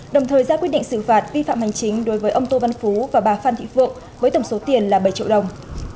đồng thời ra quyết định xử phạt vi phạm hành chính đối với ông tô văn phú và bà phan thị phượng với tổng số tiền là bảy triệu đồng